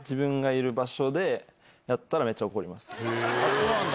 そうなんだ。